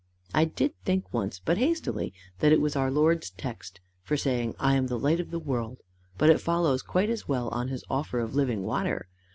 I did think once, but hastily, that it was our Lord's text for saying I AM THE LIGHT OF THE WORLD, but it follows quite as well on his offer of living water.